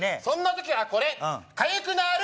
そんな時はこれかゆいね